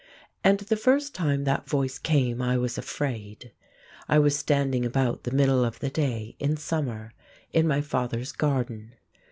And the first time that Voice came I was afraid. I was standing about the middle of the day, in summer, in my father's garden.